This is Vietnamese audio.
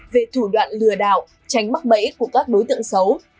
về thủ đoạn lừa đảo tránh mắc bẫy của các đối tượng xấu